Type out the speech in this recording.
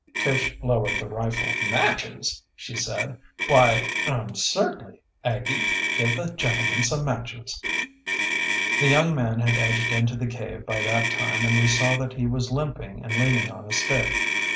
Tish lowered the rifle. "Matches!" she said. "Why er certainly. Aggie, give the gentleman some matches." The young man had edged into the cave by that time and we saw that he was limping and leaning on a stick.